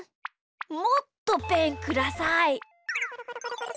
もっとペンください。